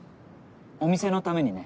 お店のためにね。